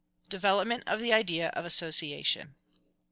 Development of the idea of association.